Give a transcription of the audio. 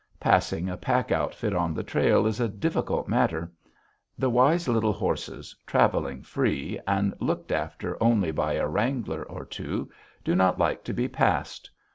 Passing a pack outfit on the trail is a difficult matter. The wise little horses, traveling free and looked after only by a wrangler or two, do not like to be passed.